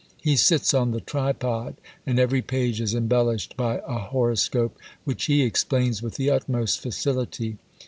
He sits on the tripod; and every page is embellished by a horoscope, which he explains with the utmost facility.